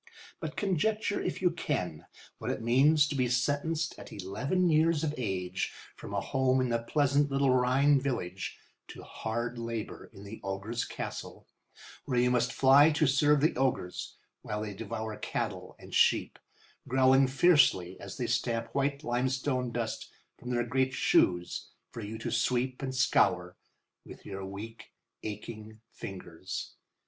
But conjecture, if you can, what it means to be sentenced at eleven years of age from a home in the pleasant little Rhine village to hard labour in the ogre's castle, where you must fly to serve the ogres, while they devour cattle and sheep, growling fiercely as they stamp white limestone dust from their great shoes for you to sweep and scour with your weak, aching fingers.